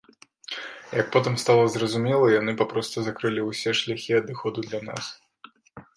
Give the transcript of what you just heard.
Як потым стала зразумела, яны папросту закрылі ўсе шляхі адыходу для нас.